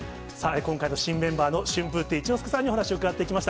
今回の新メンバーの春風亭一之輔さんにお話を伺っていきました。